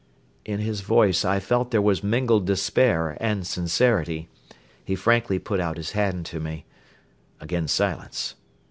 In his voice I felt there was mingled despair and sincerity. He frankly put out his hand to me. Again silence.